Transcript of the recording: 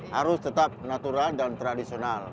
harus tetap natural dan tradisional